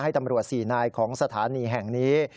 ตำรวจ๔นายของสถานีแห่งนี้